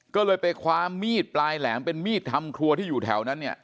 ก็เลยไปคว้ามีดปลายแหลมเป็นมีดทำครัวที่อยู่แถวนั้นเนี่ย